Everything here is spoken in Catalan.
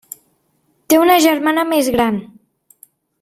Té una germana més gran.